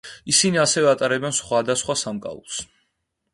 ისინი ასევე ატარებენ სხვა და სხვა სამკაულს.